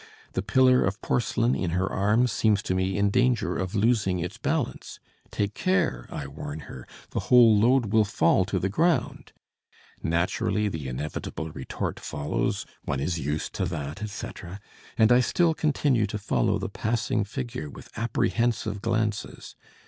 The pillar of porcelain in her arms seems to me in danger of losing its balance. 'Take care!' I warn her. 'The whole load will fall to the ground.' Naturally, the inevitable retort follows: one is used to that, etc., and I still continue to follow the passing figure with apprehensive glances.